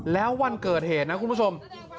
แล้ววันเกิดเหตุนะคุณผู้ชม